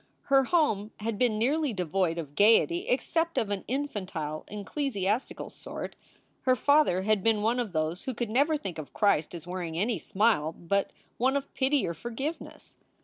Her home had been nearly devoid of gayety except of an infantile, ecclesiastical sort. Her father had been one of those who could never think of Christ as wearing any smile but one of pity or forgiveness.